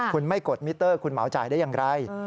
คุณไม่กดมิเตอร์คุณเหมาจ่ายได้อย่างไร